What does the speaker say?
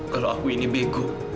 kalau aku ini bego